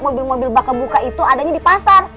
mobil mobil bak kebuka itu adanya di pasar